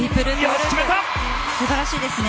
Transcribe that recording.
素晴らしいですね。